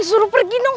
suruh pergi dong